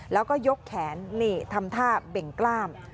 แล้วก็ยกแขนนี่ทำท่าเบ่งกล้าม